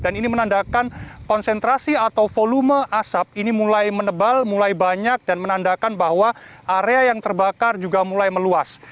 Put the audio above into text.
dan ini menandakan konsentrasi atau volume asap ini mulai menebal mulai banyak dan menandakan bahwa area yang terbakar juga mulai meluas